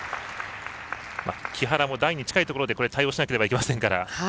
木原も台に近いところでこれは対応しなければいけません。